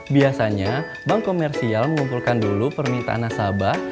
biasanya bank komersial mengumpulkan dulu permintaan nasabah